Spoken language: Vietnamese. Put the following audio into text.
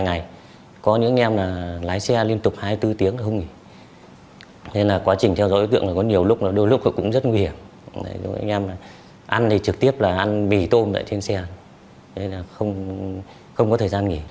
anh em ăn thì trực tiếp là ăn bì tôm tại trên xe không có thời gian nghỉ